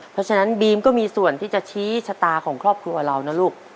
เพราะฉะนั้นบีมก็มีส่วนที่จะชี้ชะตาของครอบครัวเรานะลูก